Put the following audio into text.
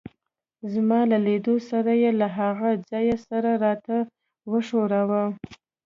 زما له لیدو سره يې له هغه ځایه سر راته وښوراوه.